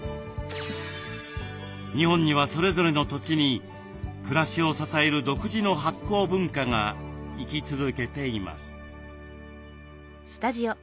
日本にはそれぞれの土地に暮らしを支える独自の発酵文化が生き続けています。